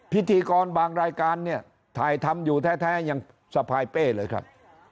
พิธีกรบางรายการเนี่ยถ่ายทำอยู่แท้ยังสะพายเป้เลยครับ